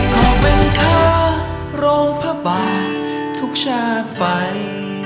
ขอบเป็นเธอโรงพบาททุกชาติไป